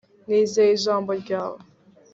nizeye ijambo ryawe